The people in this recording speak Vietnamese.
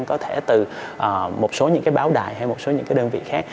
có thể từ một số những cái báo đài hay một số những cái đơn vị khác